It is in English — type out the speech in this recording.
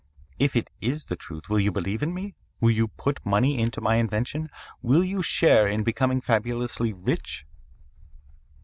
If it is the truth, will you believe in me? Will you put money into my invention? Will you share in becoming fabulously rich?'